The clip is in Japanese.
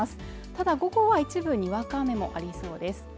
ただ午後は一部にわか雨もありそうです。